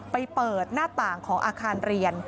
ไปเปิดหน้าต่างของอาคารเรียน